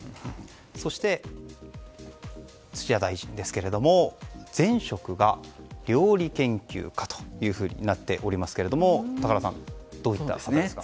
そして、土屋大臣ですけれども前職が料理研究家というふうになっておりますが高田さん、どういった方ですか？